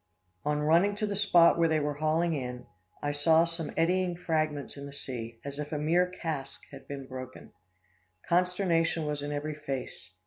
"On running to the spot where they were hauling in, [Illustration: THE LIFE BOAT.] I saw some eddying fragments in the sea, as if a mere cask had been broken. Consternation was in every face.